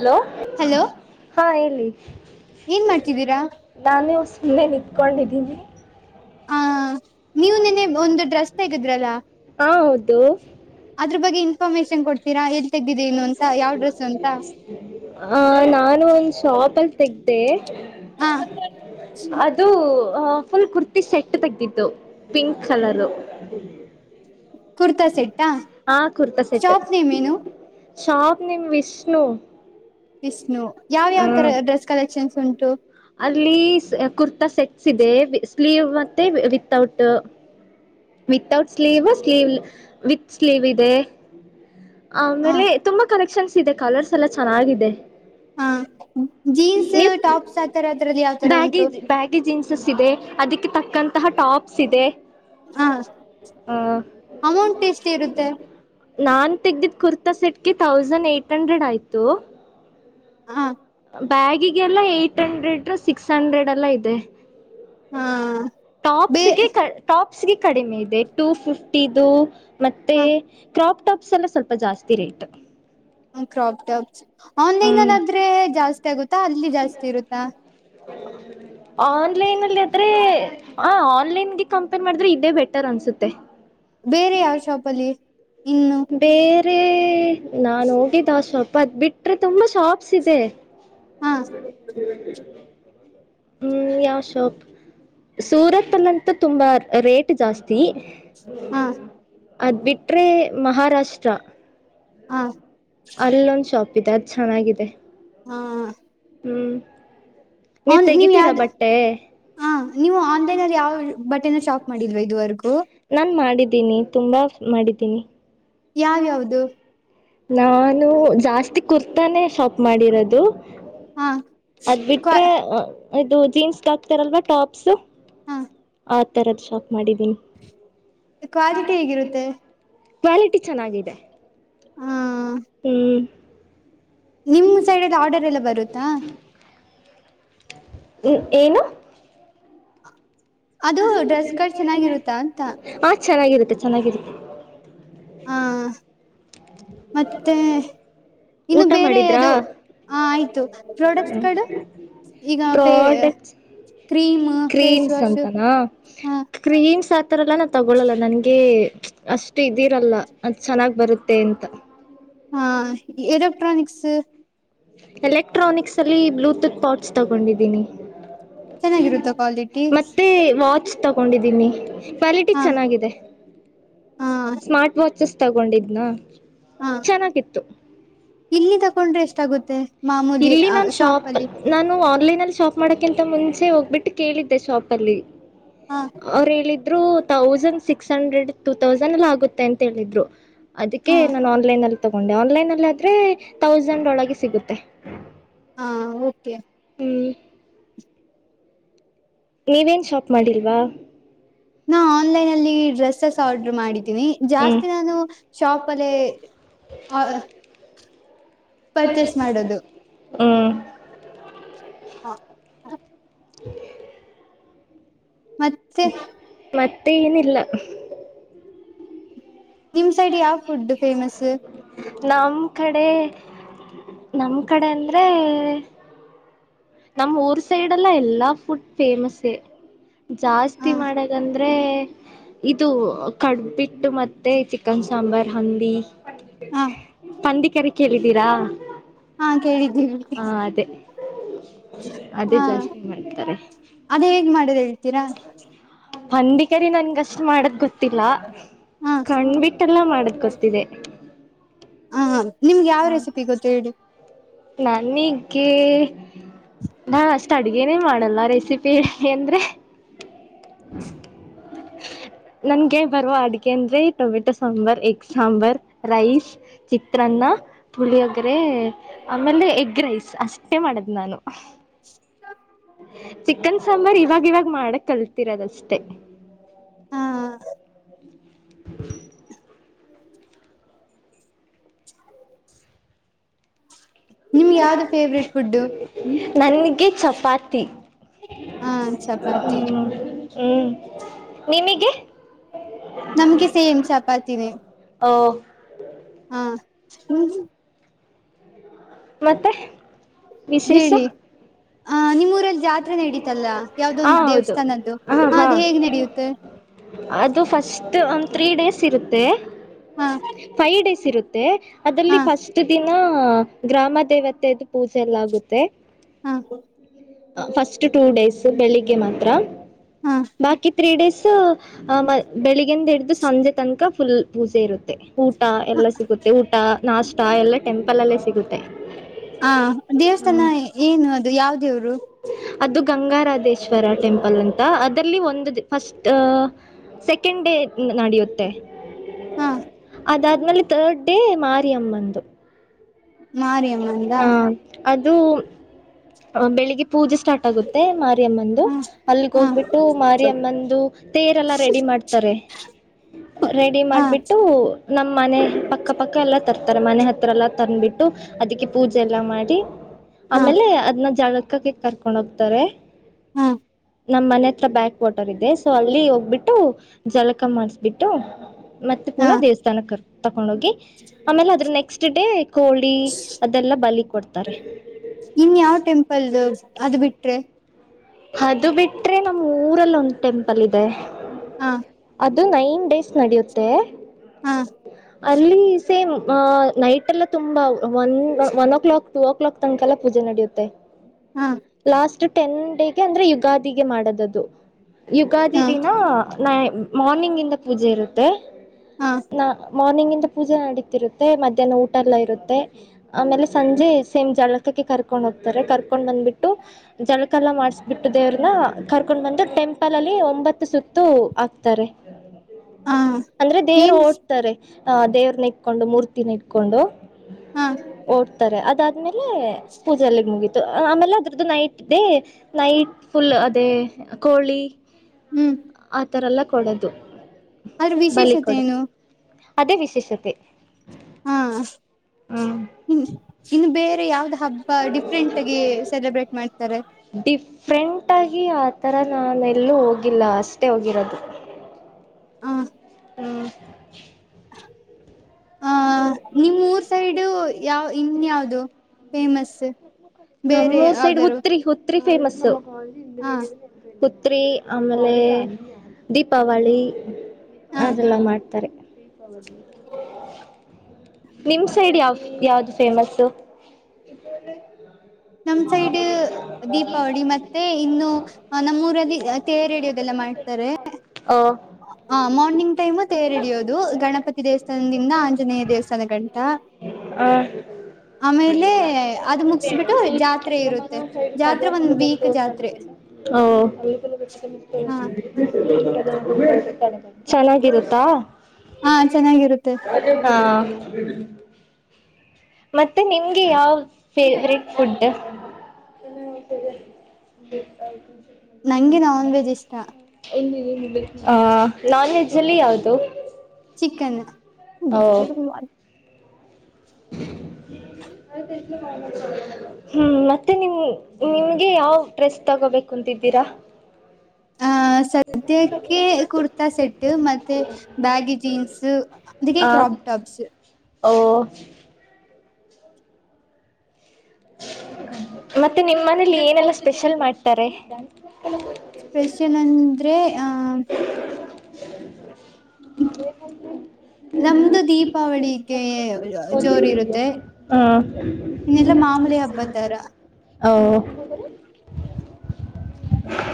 Hello hello ಹಾ ಹೇಳಿ ಏನ್ ಮಾಡತಿದ್ದೀರಾ ನಾನು ಸುಮ್ಮನೆ ನಿಂತ್ಕೊಂಡಿದ್ದೀನಿ ಹ ನೀವ ನಿನ್ನೆ ಒಂದು ಡ್ರೆಸ್ ತೆಗದ್ರಲ್ಲ ಹ ಹೌದು ಅದ್ರ ಬಗ್ಗೆ ಇನ್ಫಾರ್ಮೇಶನ್ ಕೊಡ್ತೀರಾ ಎಲ್ಲಿ ತೆಗಿದ್ದಿದೆ ಏನು ಅಂತ ಯಾವ್ ಡ್ರೆಸ್ ಅಂತ ಆ ನಾನು ಇಲ್ಲಿ ಶಾಪ್ ಅಲ್ಲಿ ಸಿಗ್ದ ಹ ಅ [unintelligible] ಇದು ಫುಲ್ ಕುರ್ತಿ ಸೆಟ್ ತೆಗ್ದಿತ್ತು ಪಿಂಕ್ ಕಲರ್ ಕುರ್ತಾ ಸೆಟ್ಟಾ ಹಾ ಕುರ್ತಾ ಸೆಟ್ ಶಾಪ್ ನೇಮ್ ಏನು ಶಾಬ್ ನಿಮ್ಮ ವಿಷ್ಣು ವಿಷ್ಣು ಯಾವ ಯಾವ ತರ ಹ್ಮ್ ಡ್ರೆಸ್ ಕಲೆಕ್ಷನ್ಸ್ ಉಂಟು ಅಲ್ಲಿ ಕುರ್ತಾ ಸೆಟ್ಸ್ ಇದೆ ಸ್ಲೀವ್ ಮತ್ತೆ without without sleeve sleeve with sleeve ಇದೆ ಆ ಹ ಆಮೇಲೆ ತುಂಬಾ ಕಲೆಕ್ಷನ್ಸ್ ಇದೆ ಕಲರ್ಸ್ ಎಲ್ಲ ಚೆನ್ನಾಗಿದೆ ಹಾ ಜೀನ್ಸ್ ನೀವ್ ಟಾಪ್ಸ್ ಆತರ ಅದ್ರಲ್ಲಿ ಯಾವ್ತರ ಬ್ಯಾಗಿ ಉಂಟು ಬ್ಯಾಗಿ ಜೀನ್ಸಸ್ ಇದೆ ಅದಕ್ಕೆ ತಕ್ಕಂತಹ ಟಾಪ್ಸ್ ಇದೆ ಹ ಹ ಅಮೌಂಟ್ ಎಷ್ಟ ಇರುತ್ತೆ ನಾನು ತೆೆಗೆದಿದ್ದ ಕುರ್ತಾ ಸೆಟ್ಗೆ ತೌಸಂಡ್ ಏಂಟ ಹಂಡ್ರೆಡ್ ಆಯಿತು ಹಾ ಬ್ಯಾಗಿಗೆಲ್ಲಾ ಏಟ್ ಹಂಡ್ರೆಡ್ ಸಿಕ್ಸ್ ಹಂಡ್ರೆಡ್ ಎಲ್ಲಾ ಇದೆ ಹ ಬೇ ಟಾಪ್ಸ್ಗೆ ಟಾಪ್ಸ್ಗೆ ಕಡಿಮೆ ಇದೆ ಟು ಫಿಫ್ಟಿದು. ಮತ್ತೆ ಹ ಕ್ರಾಪ್ ಟಾಪ್ಸ್ ಎಲ್ಲ ಸ್ವಲ್ಪ ಜಾಸ್ತಿ ರೇಟ್. ಕ್ರಾಪ್ ಪ್ಸ್ ಹ್ಮ್ ಆನ್ಲೈನ್ಲ್ಲಿ ಆದ್ರೆ ಜಾಸ್ತಿ ಆಗುತ್ತಾ ಅಲ್ಲಿ ಜಾಸ್ತಿ ಇರುತ್ತಾ. [unintelligible] ಆನ್ಲೈನ್ ಅಲ್ಲಿ ಆದ್ರೆ ಆ ಆನ್ಲೈನ್ಗೆ ಕಂಪೇರ್ ಮಾಡಿದ್ರೆ ಇದೇ ಬೆಟರ್ ಅನ್ಸುತ್ತೆ. ಬೇರೆ ಯಾವ ಶಾಪಲ್ಲಿ ಇನ್ನು. ಬೇರೇ ನಾನು ಹೋಗಿದ್ ಆ ಶಾಪ್ ಅದ್ ಬಿಟ್ರೆ ತುಂಬಾ ಶಾಪ್ಸ್ ಇದೆ. [inaudible] ಹ ಹ್ಮ್ ಯಾ ಶಾಪ್ ಸೂರತ್ ಅಲ್ಲಂತ ತುಂಬಾ ರೇಟ್ ಜಾಸ್ತಿ. ಹಾ. ಅದ್ ಬಿಟ್ರೆ ಮಹಾರಾಷ್ಟ್ರ. ಹಾಂ ಅಲ್ಲೊಂದ್ ಶಾಪ್ ಇದೆ ಅದ್ ಚೆನ್ನಾಗಿದೆ. ಹಾಂ ಹ್ಮ್ ಹನ್ ನೀವ್ ತೆಗಿತೀರಾ ಯಾವ್ದ್. ಬಟ್ಟೆ ಹಾಂ ನೀವು ಆನ್ಲೈನ್ ಅಲ್ಲಿ ಯಾವ ಬಟೆನ ಶಾಪ್ ಮಾಡಿದಲ್ವಾ ಇದುವರ್ಗೂ. ನಾನು ಮಾಡಿದ್ದೀನಿ ತುಂಬಾ ಮಾಡಿದ್ದೀನಿ. ಯಾವ್ಯಾ ಯವ್ದ. ನಾನು ಜಾಸ್ತಿ ಕುರ್ತಾನೆ ಶಾಪ್ ಮಾಡಿರೋದು. ಹಾ ಅದ್ ಕ್ವಾ ಬಿಟ್ರೆ ಇದು ಜೀನ್ಸ್ಗೆ ಹಾಕ್ತಾರಲ್ವಾ ಟಾಪ್ಸ್. ಹ ಆ ತರದ ಶಾಪ್ ಮಾಡಿದ್ದೀನಿ..... ಕ್ವಾಲಿಟಿ ಹೇಗಿರುತ್ತೆ ಕಾ. ಚೆನ್ನಾಗಿದೆ..... ಹ ಹ್ಮ. ನಿಮ್ ಸೈಡ್ಲ್ಲಿ ಆರ್ಡರ್ ಎಲ್ಲ ಬರುತ್ತಾ. ಹ್ಮ್ ಏನು. ಅದು ಡ್ರೆಸ್ಗಳ್ಲ್ ಚೆನ್ನಾಗಿರುತ್ತಾ ಅಂತ. ಹಾ ಚೆನ್ನಾಗಿರುತ್ತೆ ಚೆನ್ನಾಗಿರುತ್ತೆ. ಹಾಂ ಮತ್ತೇ. ಇನ್ನು ಊಟ ಬೇರೆ ಮಾಡಿದ್ರಾ ಅದು ಆ ಆಯ್ತು ಪ್ರಾಡೆಕ್ಟ್ಸಗಳು. Products... cream face creams wash ಅಂತನಾ. ಹ ಕ್ರೀಮ್ಸ್ ಆ ಥರ ಎಲ್ಲ ನಾ ತಗೊಳ್ಳಲ್ಲ ನನಗೆ.. ಅಷ್ಟು ಇದೀರಲ್ಲ ಅದ್ ಚೆನ್ನಾಗ್ ಬರುತ್ತೆ ಅಂತ. ಹಾ ಎಲೆಕ್ಟ್ರಾನಿಕ್ಸ್. ಎಲೆಕ್ಟ್ರಾನಿಕ್ಸ್ ಅಲ್ಲಿ ಬ್ಲೂಟೂತ್ ಪೌಚ ತಗೊಂಡಿದ್ದೀನಿ. ಚೆನ್ನಾಗಿರುತ್ತ ಕ್ವಾಲಿಟಿ ಮತ್ತೆ ವಾಚ್ ತಗೊಂಡಿದ್ದೀನಿ ಕ್ವಾಲಿಟಿ ಹಾ ಚೆನ್ನಾಗಿದೆ. ಹಾ ಸ್ಮಾರ್ಟ್ ವಾಚಸ್ ತಗೊಂಡಿದ್ನಾ. ಹಾ ಚೆನ್ನಾಗಿತ್ತು..... ಇಲ್ಲಿ ತಕೊಂಡ್ರೆ ಎಷ್ಟಾಗುತ್ತೆ ಮಾಮೂಲಿ ಇಲ್ಲಿ ನಾನ್ ಶಾಪ್ ಅಲ್ಲಿ ನಾನು ಆನ್ಲೈನಲ್ಲಿ ಶಾಪ್ ಮಾಡಕಿಂತ ಮುಂಚೆ ಹೋಗ್ಬಿಟ್ಟು ಕೇಳಿದ್ದೆ ಶಾಪ್ ಅಲ್ಲಿ. ಹಾ ಅವ್ರು ಹೇಳಿದ್ರು thousand six hundred two thousand ಎಲ್ಲ ಆಗುತ್ತೆ ಅಂತ ಹೇಳಿದ್ರು. ಹ ಅದಕ್ಕೆ ನಾನು ಆನ್ಲೈನ್ ಅಲ್ಲಿ ತಗೊಂಡೆ ಆನ್ಲೈನ್ ಅಲ್ಲಿ ಆದ್ರೆ ತೌಸಂಡ್ ಒಳಗೆ ಸಿಗುತ್ತೆ. ಹಾ ಓಕೆ. ಹ್ಮ್. ನೀವೇನ್ ಶಾಪ್ ಮಾಡಿಲ್ವಾ. ನಾ ಆನ್ಲೈನಲ್ಲಿ ಡ್ರೆಸ್ಸಸ್ ಆರ್ಡರ್ ಮಾಡಿದ್ದೀನಿ ಹ್ಮ್ ಜಾಸ್ತಿ ನಾನು ಶಾಪ್ ಅಲ್ಲಿ ಅ ಮಾಡೋದು [inaudible] ಹ್ಮ್. ಹಾ ಅ [inaudible] ಮತ್ತೆ. ಮತ್ತೆ ಏನಿಲ್ಲ. ನಿಮ್ ಸೈಡ್ ಯಾವ ಫುಡ್ ಫೇಮಸ್. ನಮ್ ಕಡೆ ನಮ್ ಕಡೆ ಅಂದ್ರೇ ನಮ್ಮ್ ಊರ್ ಸೈಡ್ ಎಲ್ಲಾ ಎಲ್ಲಾ ಫುಡ್ ಫೇಮಸೇ. ಹ ಜಾಸ್ತಿ ಮಾಡಕಂದ್ರೆ ಇದು ಕಡ್ಬಿಟ್ಟು ಮತ್ತೆ ಚಿ ಕ್ಕನ್ ಸಾಂಬಾರ್ ಹಂದಿ ಹ ಪಂದಿ ಕರಿ ಕೇಳಿದ್ದೀರಾ. ಹಾ ಕೇಳಿದ್ದೀವಿ ಹ ಅದೆೇ. ಹ ಅದೇ ಜಾಸ್ತಿ ಮಾಡ್ತಾರೆ. ಅದ ಹೇಗ್ ಮಾಡೋದು ಹೇಳ್ತೀರಾ ಹಂದಿಕರಿ ನನ್ಗಷ್ಟ್ ಮಾಡಕ್ ಗೊತ್ತಿಲ್ಲ ಹ ಕಂಡ್ಬಿಟ್ಟ ಎಲ್ಲಾ ಮಾಡದ ಗೊತ್ತಿದೆ. ಹ ನಿಮ್ಗೆ ಯಾವ್ ರೆಸಿಪಿ ಗೊತ್ತು ಹೇಳಿ. ನನಿಗೆ. ನಾ ಅಷ್ಟ ಅಡ್ಗೆೇನೇ ಮಾಡಲ್ಲ ರೆಸಿಪಿ ಎನ್ದ್ರೆ. ನನ್ಗೆ ಬರುವ ಅಡಗೆ ಅಂದ್ರೆ tomato sambar egg sambar rice ಚಿತ್ರನ್ನ. ಪುಳಿಯೊಗ್ರೆ ಆಮೇಲೆ ಎಗ್ ರೈಸ್ ಅಷ್ಟೇ ಮಾಡದ್ ನಾನು. ಚಿಕನ್ ಸಾಂಬಾರ್ ಇವಾಗ ಇವಾಗ ಮಾಡಕ್ ಕಲ್ತಿರದಷ್ಟೇ. ಹ ನಿಮ್ಗೆ ಯಾವ್ದು ಫೇವ್ರೇಟ್ ಫುಡ್ಡು. ನನ್ಗೆ ಚಪಾತಿ ಹಾಂ ಚಪಾತಿ. ಹ್ಞೂ ನಿಮಿಗೆ. ನಮ್ಗೆ ಸೇಮ್ ಚಪಾತಿನೆ. ಓ. ಹಾಂ. [inaudible] ಮತ್ತೆ. ವಿಶೇಷ ಹೇಳಿ ಆ ನಿಮ್ಮೂರಲ್ ಜಾತ್ರೆ ನಡೀತಲ್ಲಾ ಹಾ ಯಾವ್ದೊಂದು ಹೌದು ದೇವಸ್ಥಾನದ್ದು ಹಾ ಅದು ಹೇಗ್ ನಡೆಯುತ್ತೆ. ಅದು ಫಸ್ಟ್ ಒಂದು ತ್ರೀ ಡೇಸ್ ಇರುತ್ತೆ. ಹಾ. ಫೈವ್ ಡೇಸ್ ಇರುತ್ತೆ ಅದ್ರಲ್ಲಿ ಹಾ ಫಸ್ಟ್ ದಿನ ಹಾ ಗ್ರಾಮ ದೇವತೆದು ಪೂಜೆ ಎಲ್ಲ ಆಗುತ್ತೆ. ಹಾ. ಫಸ್ಟ್ ಟೂ ಡೇಸ್ ಬೆಳಿಗ್ಗೆ ಮಾತ್ರ ಹಾ ಬಾಕಿ ತ್ರೀ ಡೇಸ ಆಹ ಮ ಬೆಳಿಗಿಂಡಿದು ಸಂಜೆ ತನಕ ಫುಲ್ ಪೂಜೆ ಇರುತ್ತೆ. ಊಟ ಎಲ್ಲ ಸಿಗುತ್ತೆ ಊಟ ನಾಷ್ಟ ಎಲ್ಲ ಟೆಂಪಲ್ ಅಲ್ಲೇ ಸಿಗುತ್ತೆ. ಹ ದೇವಸ್ಥಾನ ಹ್ಮ್ ಏನು ಅದು ಯಾವ ದೇವ್ರು. ಅದು ಗಂಗಾರಾಧೇಶ್ವರ ಟೆಂಪಲ್ ಅಂತ ಅದಲ್ಲಿ ಒಂದು ಫಸ್ಟ್ ಸೆಕೆಂಡ್ ಡೇ ನಡೆಯುತ್ತೆ. ಹ್ಮ. ಅದಾದ್ಮೇಲೆ ಥರ್ಡ್ ಡೇ ಮಾರಿ ಅಮ್ಮಂದು. ಮಾರಿಯಮ್ಮಂದಾ. ಅದು ಬೆಳಿಗ್ಗೆ ಪೂಜೆ ಸ್ಟಾರ್ಟ್ ಆಗುತ್ತೆ ಮತ್ ಮಾರಿಯಮ್ಮಂದು ಹಾ ಅಲ್ಲಿಗೆ ಹಾ ಹೋಗ್ಬಿಟ್ಟು ಮಾರಿಯಮ್ಮಂದು ತೇರೆಲ್ಲ ರೆಡಿ ಮಾಡ್ತಾರೆ. ರೆಡಿ ಹಾ ಮಾಡ್ಬಿಟ್ಟು ನಮ್ಮ್ ಮನೆ ಪಕ್ಕ ಪಕ್ಕ ಎಲ್ಲಾ ತರ್ತಾರೆ ಮನೆ ಹತ್ತಿರ ಎಲ್ಲಾ ತಂದ್ಬಿಟ್ಟು ಅದಕ್ಕೆ ಪೂಜೆ ಎಲ್ಲಾ ಮಾಡಿ ಹಾ ಆಮೇಲೆ ಅದನ್ನ ಜಳಕಕ್ಕೆ ಕರ್ಕೊಂಡ್ ಹೋಗ್ತಾರೆ. ಹ್ಮ್ ನಮ್ಮ್ ಮನೆ ಹತ್ತಿರ ಬ್ಯಾಕ್ ವಾಟರ್ ಇದೆ ಸೊ ಅಲ್ಲಿ ಹೋಗ್ಬಿಟ್ಟು ಜಳಕ ಮಾಡಸಬಿಟ್ಟು ಮತ್ತೆ ಹಾ ಪುನಃ ದೇವಸ್ಥಾನಕ್ಕೆ ಕರ್ಕೊಂಡ್ ತಕೊಂಡ ಹೋಗಿ ಆಮೇಲೆ ಅದ್ರ ನೆಕ್ಸ್ಟ್ ಡೇ ಕೋಳಿ ಅದೆಲ್ಲಾ ಬಲಿ ಕೊಡ್ತಾರೆ‌. ಇನ್ ಯಾವ್ ಟೆಂಪಲ್ದು ಅದು ಬಿಟ್ರೆ. ಅದು ಬಿಟ್ರೆ ನಮ್ಮೂರಲ್ಲಿ ಒಂದ್ ಟೆಂಪಲ್ ಇದೆ. ಹಾ ಅದು ನೈನ್ ಡೇಸ್ ನಡೆಯುತ್ತೆ. ಹ ಅಲ್ಲಿ ಸೇಮ್ ನೈಟ್ ಎಲ್ಲಾ ತುಂಬಾ one one o'clock two o'clock ತನಕಲ ಪೂಜೆ ನಡೆಯುತ್ತೆ ಹ ಲಾಸ್ಟ್ ಟೆನ್ ಡೇಗೆ ಅಂದ್ರೆ ಯುಗಾದಿಗೆ ಮಾಡೊದ್ದ್ ಅದು ಯುಗಾದಿ ಹಾ ದಿನ ನ ಮಾರ್ನಿಂಗ್ ಇಂದ ಪೂಜೆ ಇರುತ್ತೆ ಹಾ ನ ಮಾರ್ನಿಂಗ್ ಇಂದ ಪೂಜೆ ನಡೀತಿರುತ್ತೆ ಮಧ್ಯಾಹ್ನ ಊಟ ಎಲ್ಲ ಇರುತ್ತೆ ಆಮೇಲೆ ಸಂಜೆ ಸೇಮ್ ಜಳಕಕ್ಕೆ ಕರ್ಕೊಂಡ್ ಹೋಗ್ತಾರೆ ಕರ್ಕೊಂಡ್ ಬಂದ್ಬಿಟ್ಟು ಜಳಕ ಎಲ್ಲಾ ಮಾಡ್ಸ್ ಬಿಟ್ಟು ದೇವ್ರನ್ನ ಕರ್ಕೊಂಡ್ ಬಂದು ಟೆಂಪಲ್ ಅಲ್ಲಿ ಒಂಬತ್ತು ಸುತ್ತು ಹಾಕ್ತಾರೆ ಹಾ ಅಂದ್ರೆ ದೇವರು ಏನ್ ಓಡ್ತಾರೆ ಅ ದೇವರನ ಇಟ್ಕೊಂಡು ಮೂರ್ತಿನ ಇಟ್ಕೊಂಡು ಹಾ ಓಡ್ತಾರೆ ಅದದ್ ಮೇಲೆ ಪೂಜೆ ಅಲ್ಲಿಗ್ ಮುಗೀತು ಆಮೇಲೆ ಅದ್ರದ್ದು ನೈಟ್ ಡೇ ನೈಟ್ ಪುಲ್ ಅದೇ ಕೋಳಿ ಹ್ಮ್ ಅ ತರಲ್ಲ ಕೊಡದು ಅದ್ರ ಬಲಿ ವಿಶೇಷತೆ ಕೊಡದು ಏನು ಅದೇ ವಿಶೇಷತೆ. ಹ ಹ್ಞೂ ಹ್ಮ್ ಇನ್ನು ಬೇರೆ ಯಾವ್ದು ಹಬ್ಬ ಡಿಫ್ರೆಂಟ್ ಆಗಿ ಸೆಲೆಬ್ರೇಟ್ ಮಾಡ್ತಾರೆ. ಡಿಫ್ರೆಂಟಾಗಿ ಆತರ ನಾನೆಲ್ಲೂ ಹೋಗಿಲ್ಲ ಅಷ್ಟೇ ಹೋಗಿರೋದು. ಹಾ ಹ ಆ ನಿಮ್ಮೂರ್ ಸೈಡು ಯಾವ ಇನ್ಯಾವ್ದು. ಫೇಮಸ್ಸು ನಮ್ಮೂರ್ ಸೈಡ್ ಹುತ್ರಿ ಹುತ್ರಿ ಫೇಮಸ್ಸು ಹ ಹುತ್ರಿ ಆಮೇಲೆ ದೀಪಾವಳಿ ಹ ಅದೆಲ್ಲ ಮಾಡ್ತ್ ತಾರೆ ಪಗ [unintelligible] ನಿಮ್ ಸೈಡ್ ಯಾವ ಯಾವ್ದು ಫೇಮಸ್ಸು ನಮ್ಮ ಸೈಡ್ ದೀಪಾವಳಿ ಮತ್ತೆ ಇನ್ನು ನಮ್ಮೂರಲ್ಲಿ ತೇರು ಹೆಳೆಯೋದೆಲ್ಲ ಮಾಡ್ತಾರೆ ಹ ಹ ಮಾರ್ನಿಂಗ್ ಟೈಮು ತೇರಿ ಹೆಳಿಯೋದು ಗಣಪತಿ ದೇವಸ್ಥಾನದಿಂದ ಆಂಜನೇಯ ದೇವಸ್ಥಾನ ಶನಗಂಟ ಆ ಅ ಈ ಅದು ಮುಗಸ್ಬಿಟ್ಟು ಜಾತ್ರೆ ಇರುತ್ತೆ ಜಾತ್ರೆ ಒಂದ್ ಸೈಡ್ೋಡ್ದಿಲ್ಲ ವೀಕ್ ಜಾತ್ರೆ [inaudible] ಹ ಅ [inaudible] ಹ [unintelligible] ಚೆನ್ನಾಗಿರುತ್ತಾ ಹಾ, ಚೆನ್ನಾಗಿರುತ್ತೆ ಹಾ, ಮತ್ತೆ ನಿಮ್ಗೆ ಯಾವ ಫೇವ್ರೇಟ್ [unintelligible] ಪುಟ್ [unintelligible] ನಂಗೆ ನಾನ್ ವೆಜ್ ಇಷ್ಟ ಆ ನಾನ್ ವೆಜ್ ಅಲ್ಲಿ ಯಾವುದು ಚಿಕನ್ ಓ [unintelligible] [inaudible] ಅ ತಲು ಕ ಮಾಡ [inaudible] ಹ್ಮ್, ಮತ್ತೆ ನಿಮ್ ನಿಮ್ಗೆ ಯಾವ್ ಡ್ರೆಸ್ ತಗೋಬೇಕು ಅಂತಿದ್ದೀರಾ ಆ ಸದ್ಯಕ್ಕೆ ಕುರ್ತಾ ಸೆಟ್ ಮತ್ತೆ ಬ್ಯಾಗಿ ಜೀನ್ಸ್ [unintelligible] ಅದಕ್ಕೆೇ ಆ ಕ್ರಾಪ್ ಟಾಪ್ಸ್ ಓ [unintelligible] ಮತ್ತೆ ನಿಮ್ಮ ಮನೇಲಿ ಏನೆಲ್ಲ ಸ್ಪೆಷಲ್ ಮಾಡ್ತಾರೆ ಸ್ಪೆಷಲ್ ಅಂದ್ರೆ ಆಹ ಮ [inaudible] ನಮ್ದು ದೀಪಾವಳಿಗೆ ಜೋರು ಇರುತ್ತೆ. ಹ್ಮ್ ಇನ್ನೆಲ್ಲಾ ಮಾಮೂಲಿ ಹಬ್ಬದತರ ಹಾ [inaudible] ಹ [inaudible]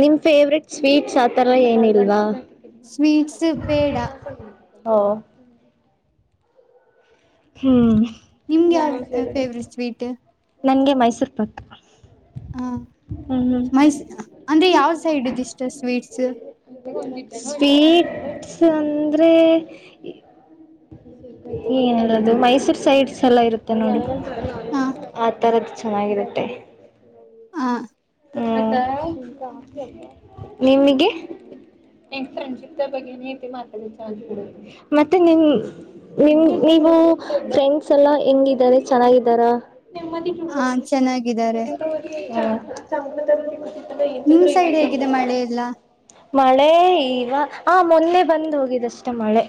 ನಿಮ್ ಫೇವ್ರೆಟ್ ಸ್ವೀಟ್ಸ್ ಆತರ ಏನಿಲ್ವಾ, ಸ್ವೀಟ್ಸ್ ಪೇಡಾ ಹಾ [inaudible] ಹ್ಮ್, ನಿಮ್ಗೆ ಯಾವ ಫೇವ್ರೆಟ್ ಸ್ವೀಟ್ ನನ್ಗೆ ಮೈಸೂರ್ ಪಾಕ್ ಹ್ಮ ಹ ಹ್ಮ [inaudible] ಮೈಸ್ ಅಂದ್ರೆ ಯಾವ ಸೈಡ್ ಇದಿಷ್ಟ ಸ್ವೀಟ್ಸ್ ಸ್ವೀಟ್ಸ್ ಅಂದ್ರೆ ಏನ [unintelligible] ಅದು ಮೈಸೂರ್ ಸೈಡ್ಸ್ ಎಲ್ಲ ಇರುತ್ತೆ ನೋಡಿ ಹ ಆ ತರದ್ದು ಚೆನ್ನಾಗಿರುತ್ತೆ. ಹ [inaudible] ಹ್ಮ, ನಿಮಿಗೆ ನಂ ಫ್ರೆಂಡ್ಶಿಪ್ ಬಗ್ಗೆ ರೀತಿ ಮಾತಾಡ ಚಡೆ ಮತ್ತೆ ನಿಮ [unintelligible] ನಿಮಗೆನೀವು ಫ್ರೆಂಡ್ಸ್ ಎಲ್ಲಾ ಹೆಂಗಿದ್ದಾರೆ ಚೆನ್ನಾಗಿದ್ದಾರಾ ನಿಮ್ಮ ಹ ಚೆನ್ನಾಗಿದ್ದಾರೆ [unintelligible] ಅದ ಇದು ನಿಮ್ ಸೈಡ್ ಹೇಗಿದೆ ಮಳೆ ಎಲ್ಲ [unintelligible] ಮಳೆ ಈವ ಆ ಮೊನ್ನೆ ಬಂದ್ ಹೋಗಿದಷ್ಟೇ, ಮಳೆ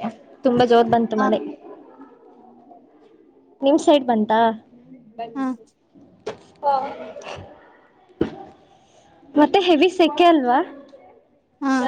ತುಂಬಾ ಜೋರ್ ಬಂತು ಹ ಮಳೆ. ನಿಮ್ ಸೈಡ್ ಬಂತಾ ಹ ಹಾ [unintelligible] ಮತ್ತೆ ಹೆವಿ ಶಕೆ ಅಲ್ವಾ ಹ